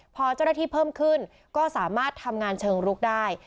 พอเจ้าหน้าที่เพิ่มขึ้นก็สามารถทำงานเชิงลุกได้